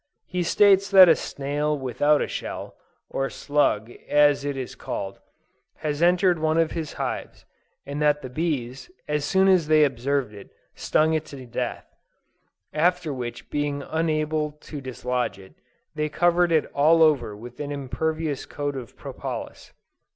He states that a snail without a shell, or slug, as it is called, had entered one of his hives; and that the bees, as soon as they observed it, stung it to death: after which being unable to dislodge it, they covered it all over with an impervious coat of propolis."